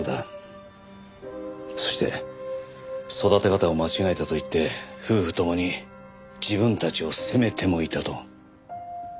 そして育て方を間違えたと言って夫婦共に自分たちを責めてもいたと。